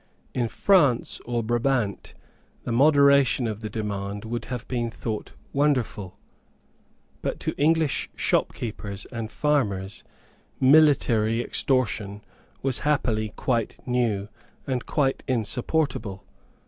In France or Brabant the moderation of the demand would have been thought wonderful. But to English shopkeepers and farmers military extortion was happily quite new and quite insupportable.